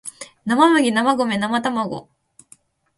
生麦生卵生卵